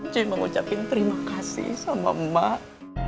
cuy mau ucapin terima kasih sama mak